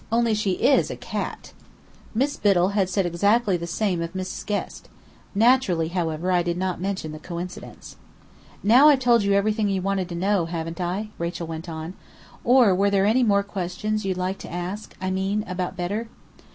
Only she is a cat." Miss Biddell had said exactly the same of Miss Guest. Naturally, however, I did not mention the coincidence. "Now I've told you everything you wanted to know, haven't I?" Rachel went on. "Or were there any more questions you'd like to ask I mean, about Bedr?"